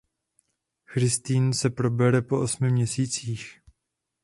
Christiane se probere po osmi měsících.